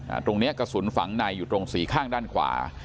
ตรงเนี้ยกระสุนฝังในอยู่ตรงสี่ข้างด้านขวา